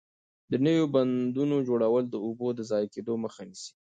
د نويو بندونو جوړول د اوبو د ضایع کېدو مخه نیسي.